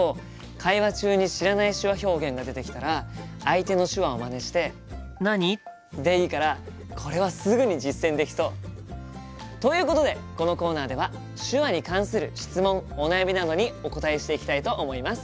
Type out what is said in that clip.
会話中に知らない手話表現が出てきたら相手の手話をまねして「何？」でいいからこれはすぐに実践できそう。ということでこのコーナーでは手話に関する質問お悩みなどにお答えしていきたいと思います！